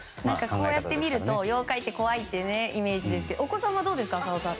こうやって見ると妖怪って怖いというイメージですけどもお子さんはどうですか浅尾さん。